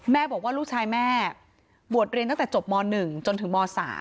บอกว่าลูกชายแม่บวชเรียนตั้งแต่จบม๑จนถึงม๓